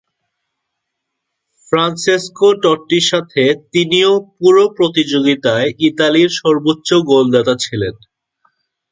Francesco টট্টির সাথে তিনিও পুরো প্রতিযোগিতায় ইতালির সর্বোচ্চ গোলদাতা ছিলেন।